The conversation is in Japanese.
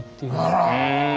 あら！